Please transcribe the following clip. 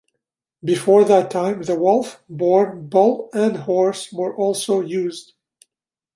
Before that time, the wolf, boar, bull and horse were also used.